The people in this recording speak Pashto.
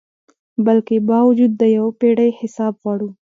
بلکي باوجود د یو پیړۍ حساب غواړو